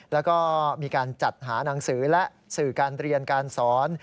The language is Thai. แล้วก็มีการจัดหานังสือและสื่อการเรียนการสอน